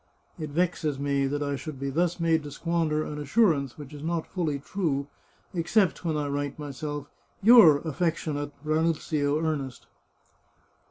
It vexes me that I should be thus made to squander an assurance which is not fully true, except when I write myself * your affection ate, Ranuzio Ernest.'